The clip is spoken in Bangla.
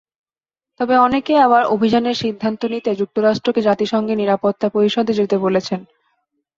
তবে অনেকেই আবার অভিযানের সিদ্ধান্ত নিতে যুক্তরাষ্ট্রকে জাতিসংঘের নিরাপত্তা পরিষদে যেতে বলছেন।